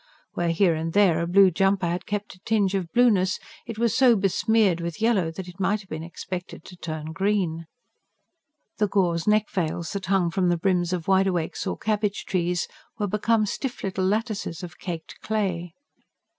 Where, here and there, a blue jumper had kept a tinge of blueness, it was so besmeared with yellow that it might have been expected to turn green. The gauze neck veils that hung from the brims of wide awakes or cabbage trees were become stiff little lattices of caked clay.